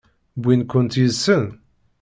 Wwin-kent yid-sen?